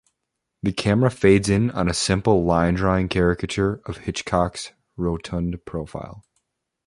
The camera fades in on a simple line-drawing caricature of Hitchcock's rotund profile.